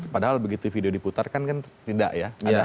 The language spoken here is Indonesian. padahal begitu video diputarkan kan tidak ya